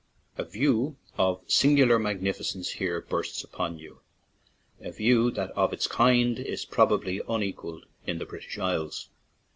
A view of singular magnificence here bursts upon you— a view that of its kind is probably unequalled in the British Isles.